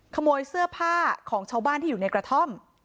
ขโมยเสื้อผ้าของชาวบ้านที่อยู่ในกระท่อม